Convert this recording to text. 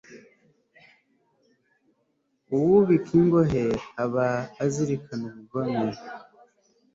uwubika ingohe aba azirikana ubugome